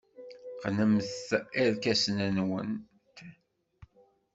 Qqnemt irkasen-nwent.